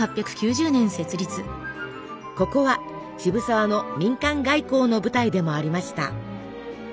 ここは渋沢の民間外交の舞台でもありました。